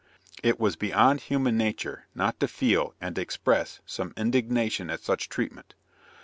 It was beyond human nature not to feel and express some indignation at such treatment.